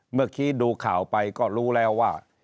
เมื่อกี้ดูข่าวไปก็รู้แล้วว่า